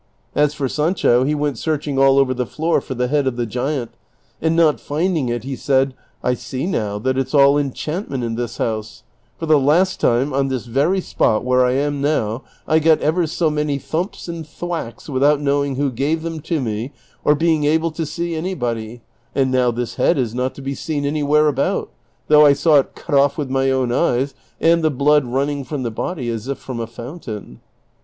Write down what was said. As for Sancho, he went searching all over the floor for the head of the giant, and not finding it he said, " I see now that it 's all enchantment in this house ; for the last time, on this very spot Avhere I am noV, I got ever so many thumps and thwacks without knowing who gave them to me, or being able to see anybody ; and now this head is not to be seen any where about, though I saw it cut off with my own eyes and the blood running from the body as if from a fountain."